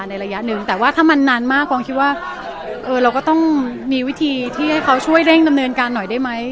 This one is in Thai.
ระยะหนึ่งแต่ว่าถ้ามันนานมากกองคิดว่าเออเราก็ต้องมีวิธีที่ให้เขาช่วยเร่งดำเนินการหน่อยได้ไหม